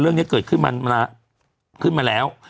เรื่องเกิดขึ้นมาแล้ว